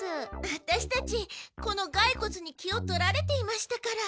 ワタシたちこのがいこつに気を取られていましたから。